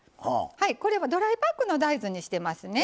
はいこれはドライパックの大豆にしてますね。